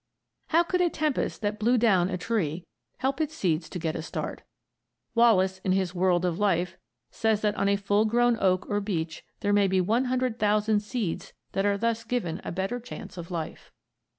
How could a tempest that blew down a tree help its seeds to get a start? Wallace, in his "World of Life," says that on a full grown oak or beech there may be 100,000 seeds that are thus given a better chance of life.